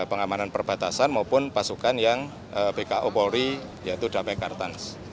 pengamanan perbatasan maupun pasukan yang bko polri yaitu damai kartans